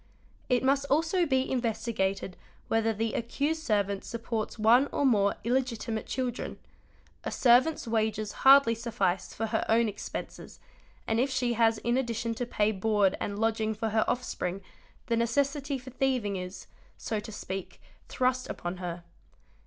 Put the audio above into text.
| It must also be investigated whether the accused servant supports _ one or more illegitimate children; a servant's wages hardly suffice for ) her own expenses, and if she has in addition to pay board and lodging _ for her offspring the necessity for thieving is, so to speak, thrust upon her.